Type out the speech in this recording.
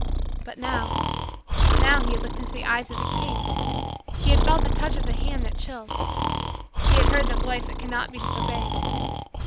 But now now he had looked into the eyes of the King. He had felt the touch of the hand that chills. He had heard the voice that cannot be disobeyed.